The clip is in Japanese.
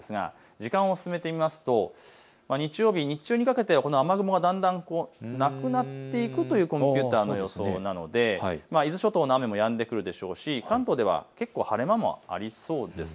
時間を進めてみますと日曜日、日中にかけて雨雲がだんだんなくなっていくという予想なので伊豆諸島の雨もやんでくるでしょうし関東では晴れ間もありそうです。